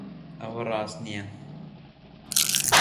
ئەوە ڕاست نییە.